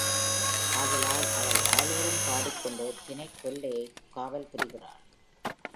ஆதலால் அவள் ஆலோலம் பாடிக் கொண்டு தினைக் கொல்லையைக் காவல் புரிகிறாள்.